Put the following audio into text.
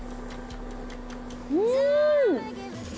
うん！